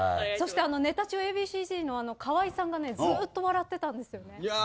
そしてネタ中Ａ．Ｂ．Ｃ‐Ｚの河合さんがずっと笑っていたんですよ。